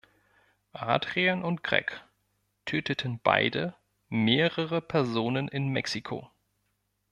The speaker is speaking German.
Adrian und Greg töteten beide mehrere Personen in Mexiko.